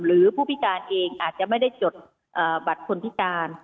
หรือผู้พิการเองอาจจะไม่ได้จดบัตรคนพิการ